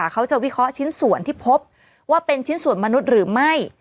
เขาจะวิเคราะห์ชิ้นส่วนที่พบว่าเป็นชิ้นส่วนมนุษย์หรือไม่